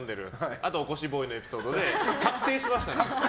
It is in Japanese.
あと起こしボーイのエピソードで確定しましたね。